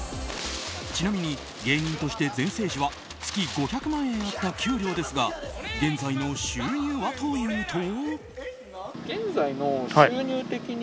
ちなみに、芸人として全盛時は月５００万円あった給料ですが現在の収入はというと。